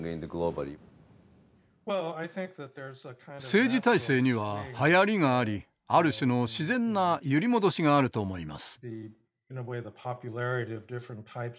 政治体制にははやりがありある種の自然な揺り戻しがあると思います。